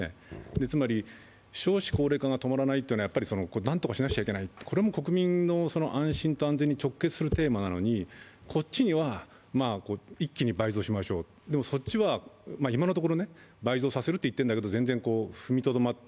つまり少子高齢化が止まらないのは何とかしなくてはいけない、これも国民の安心と安全に直結するテーマなのに、こっちには一気に倍増しましょうと、でもそっちは、今のところ倍増させると言っているんだけど全然踏みとどまって